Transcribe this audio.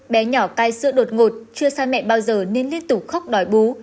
bé nhỏ cai sữa đột ngột chưa sang mẹ bao giờ nên liên tục khóc đòi bú